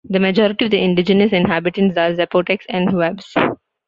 The majority of the indigenous inhabitants are Zapotecs and Huaves.